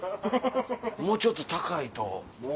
もうちょっと高いと。